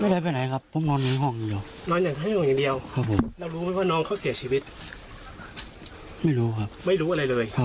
ไม่ได้ไปไหนครับผมนอนอยู่ห้องนี้เดียว